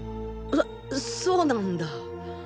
そそうなんだ。